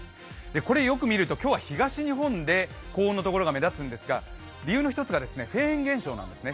これよく見ると今日は東日本で高温のところが目立つんですが理由の一つがフェーン現象なんですね。